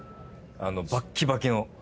あのバッキバキの。